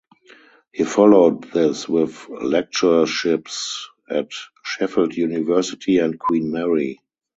He followed this with lectureships at Sheffield University and Queen Mary.